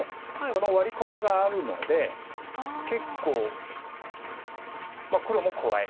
このワリコミがあるので結構黒も怖い。